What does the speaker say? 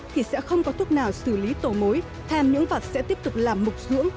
thì sẽ không có thuốc nào xử lý tổ mối thàm những vật sẽ tiếp tục làm mục dưỡng